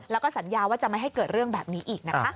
แล้วก็สัญญาว่าจะไม่ให้เกิดเรื่องแบบนี้อีกนะคะ